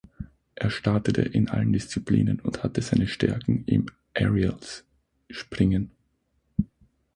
Er startete in allen Disziplinen und hatte seine Stärken im Aerials (Springen).